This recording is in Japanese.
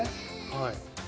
はい。